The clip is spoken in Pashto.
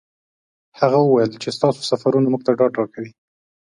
هغه وویل چې ستاسو سفرونه موږ ته ډاډ راکوي.